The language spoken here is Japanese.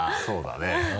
そうだね。